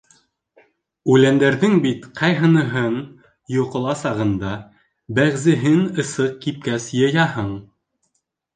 Үләндәрҙең бит ҡайһыныһын йоҡола сағында, бәғзеһен ысыҡ кипкәс йыяһың.